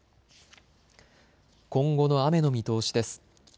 今後の雨の見通しです。